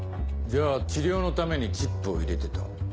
じゃあ治療のためにチップを入れてた？